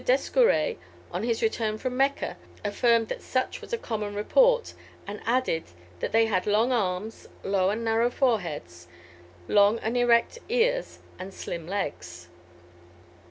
Descouret, on his return from Mecca, affirmed that such was a common report, and added that they had long arms, low and narrow foreheads, long and erect ears, and slim legs.